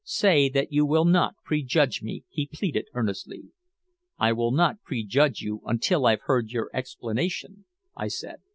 "Say that you will not prejudge me," he pleaded earnestly. "I will not prejudge you until I've heard your explanation," I said.